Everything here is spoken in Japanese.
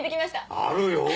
あるよ